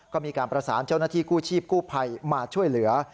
ก็มีการประสานเจ้าหน้าที่กู้ชีพกู้ภัยมาช่วยเหลือ